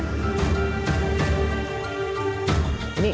jadi ini adalah hal yang sangat penting